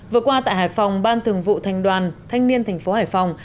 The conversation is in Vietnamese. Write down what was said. vừa qua tại hải phòng ban thường vụ thành đoàn thanh niên tp hải phòng